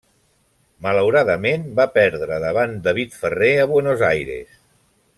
Malauradament va perdre davant David Ferrer a Buenos Aires.